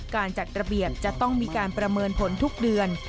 การจัดระเบียบจะต้องมีการประเมินผลทุกเดือน